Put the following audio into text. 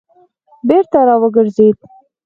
بېرته را وګرځېد.